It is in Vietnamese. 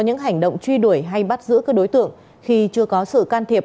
những hành động truy đuổi hay bắt giữ các đối tượng khi chưa có sự can thiệp